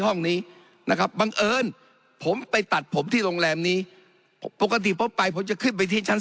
ห้องนี้นะครับบังเอิญผมไปตัดผมที่โรงแรมนี้ปกติผมไปผมจะขึ้นไปที่ชั้น๓